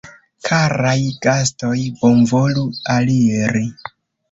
Karaj gastoj, bonvolu aliri!